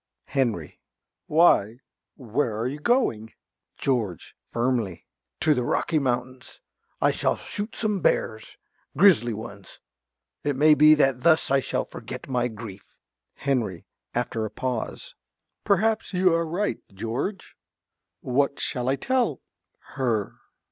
~Henry.~ Why, where are you going? ~George~ (firmly). To the Rocky Mountains. I shall shoot some bears. Grizzly ones. It may be that thus I shall forget my grief. ~Henry~ (after a pause). Perhaps you are right, George. What shall I tell her?